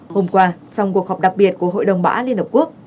hôm qua trong cuộc họp đặc biệt của hội đồng bã liên hợp quốc